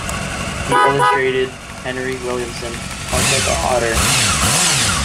He illustrated Henry Williamson's "Tarka the Otter".